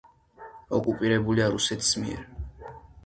ოკუპირებულია რუსეთის მიერ.